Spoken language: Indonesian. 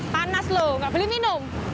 panas loh nggak beli minum